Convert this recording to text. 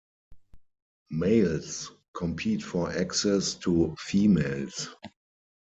Males compete for access to females.